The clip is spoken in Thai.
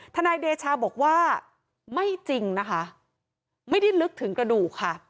นายเดชาบอกว่าไม่จริงนะคะไม่ได้ลึกถึงกระดูกค่ะ